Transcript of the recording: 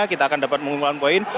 kita akan dapat mengumpulkan poin